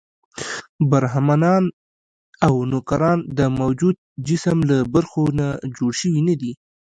برهمنان او نوکران د موجود جسم له برخو نه جوړ شوي نه دي.